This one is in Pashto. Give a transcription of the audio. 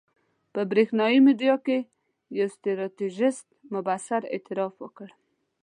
په برېښنایي میډیا کې یو ستراتیژیست مبصر اعتراف وکړ.